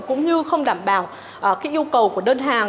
cũng như không đảm bảo yêu cầu của đơn hàng